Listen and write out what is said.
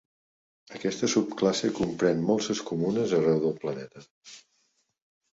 Aquesta subclasse comprèn molses comunes arreu del planeta.